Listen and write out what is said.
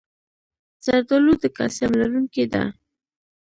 زردالو د کلسیم لرونکی ده.